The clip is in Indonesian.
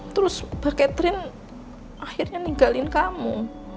terus pak catherine akhirnya ninggalin kamu